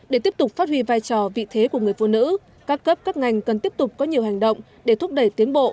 để tiếp tục phát huy vai trò vị thế của người phụ nữ các cấp các ngành cần tiếp tục có nhiều hành động để thúc đẩy tiến bộ